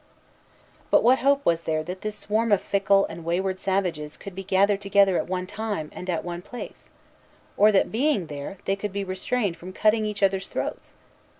But what hope was there that this swarm of fickle and wayward savages could be gathered together at one time and at one place, or that, being there, they could be restrained from cutting each other's throats?